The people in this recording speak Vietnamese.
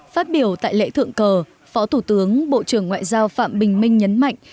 phát biểu tại lễ thượng cờ phó thủ tướng bộ trưởng ngoại giao phạm bình minh nhấn mạnh